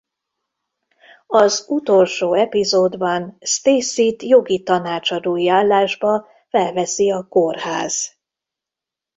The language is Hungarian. Az utolsó epizódban Stacyt jogi tanácsadói állásba felveszi a kórház.